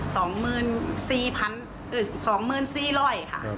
สองหมื่นสี่พันสองหมื่นสี่ร้อยค่ะ